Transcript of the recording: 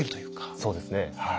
そうですねはい。